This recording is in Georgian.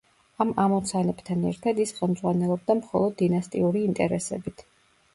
ამ ამოცანებთან ერთად ის ხელმძღვანელობდა მხოლოდ დინასტიური ინტერესებით.